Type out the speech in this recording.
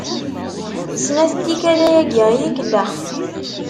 Snat n tikkal ayagi i yi-ikellex.